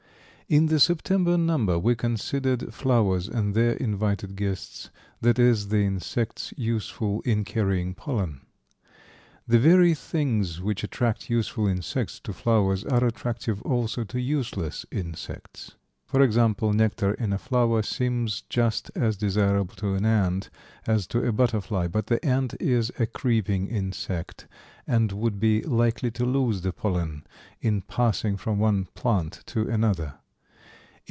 In the September number we considered flowers and their invited guests, that is the insects useful in carrying pollen. The very things which attract useful insects to flowers are attractive also to useless insects. For example, nectar in a flower seems just as desirable to an ant as to a butterfly, but the ant is a creeping insect and would be likely to lose the pollen in passing from one plant to another.